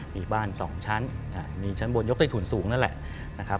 มีบ้าน๒ชั้นมีชั้นบนยกใต้ถุนสูงนั่นแหละนะครับ